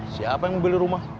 siapa yang mau beli rumah